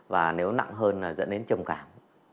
và nếu nặng hơn là dẫn đến trầm cảm